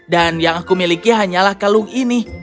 dan yang aku miliki hanyalah kalung ini